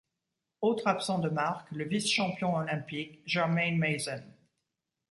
Autre absent de marque, le vice-champion olympique, Germaine Mason.